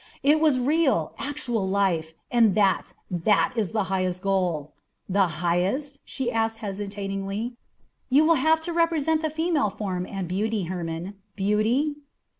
It was real, actual life, and that that is the highest goal." "The highest?" she asked hesitatingly. "You will have to represent the female form, and beauty, Hermon, beauty?"